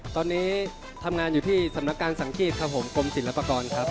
ตอนนี้ทำงานอยู่ที่สำนักการสังขีดครับผมกรมศิลปากรครับ